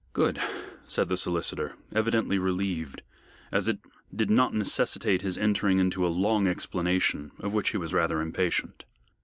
"Good," said the solicitor, evidently relieved, as it did not necessitate his entering into a long explanation, of which he was rather impatient.